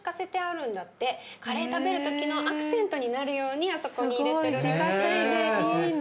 カレー食べる時のアクセントになるようにあそこに入れてるらしいよ。